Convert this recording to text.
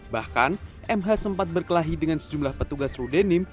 bahkan mh sempat berkelahi dengan sejumlah petugas rudenim